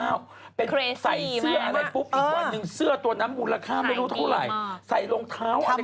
ใส่เสื้ออะไรปุ๊บอีกวันหนึ่งเสื้อตัวนั้นมูลค่าไม่รู้เท่าไหร่ใส่รองเท้าอะไร